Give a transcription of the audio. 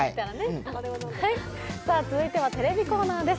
続いてはテレビコーナーです。